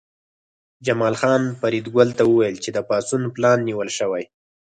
جمال خان فریدګل ته وویل چې د پاڅون پلان نیول شوی